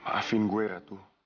maafin gue ratu